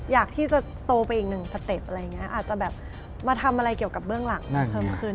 อยากที่จะโตไปอีกหนึ่งสเต็ปอะไรอย่างนี้อาจจะแบบมาทำอะไรเกี่ยวกับเบื้องหลังมากเพิ่มขึ้น